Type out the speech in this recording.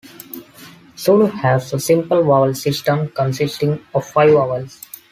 Zulu has a simple vowel system consisting of five vowels.